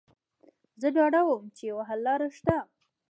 زه ډاډه وم چې یوه حل لاره شته